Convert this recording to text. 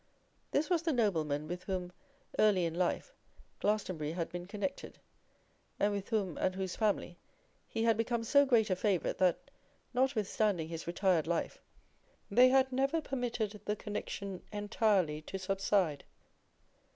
This was the nobleman with whom early in life Glastonbury had been connected, and with whom and whose family he had become so great a favourite, that, notwithstanding his retired life, they had never permitted the connexion entirely to subside.